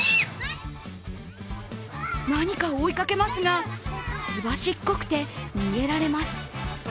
何かを追いかけますがすばしっこくて、逃げられます。